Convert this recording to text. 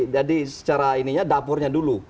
jadi secara ininya dapurnya dulu